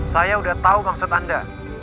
saya sudah tahu maksud anda